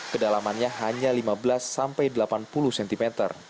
kedalamannya hanya lima belas sampai delapan puluh cm